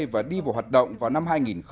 và đi vào hoạt động vào năm hai nghìn hai mươi